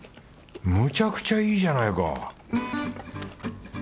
むちゃくちゃいいじゃないか